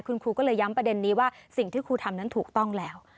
คุณครูก็เลยย้ำประเด็นนี้ว่าสิ่งที่ครูทำนั้นถูกต้องแล้ว